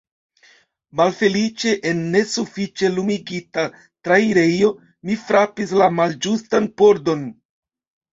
Malfeliĉe en nesufiĉe lumigita trairejo mi frapis la malĝustan pordon.